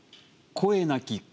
「声なき声」。